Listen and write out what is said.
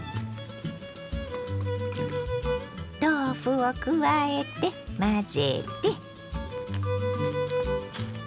豆腐を加えて混ぜて。